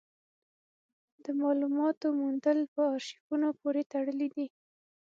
د مالوماتو موندل په ارشیفونو پورې تړلي وو.